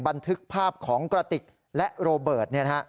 บันทึกภาพของกระติกและโรเบิร์ต